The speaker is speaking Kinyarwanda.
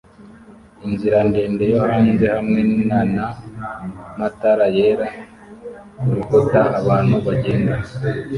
Inzira ndende yo hanze hamwe nana matara yera kurukuta abantu bagenda